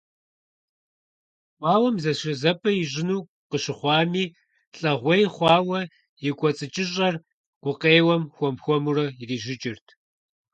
Гуауэм зэшэзэпӀэ ищӀыну къыщыхъуами, лӀэгъуей хъуауэ и кӀуэцӀыкӀыщӀэр гукъеуэм хуэм-хуэмурэ ирижьыкӀырт.